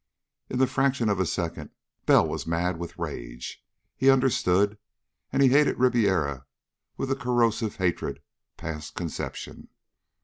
In the fraction of a second, Bell was mad with rage. He understood, and he hated Ribiera with a corrosive hatred past conception.